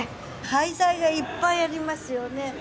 廃材がいっぱいありますよね。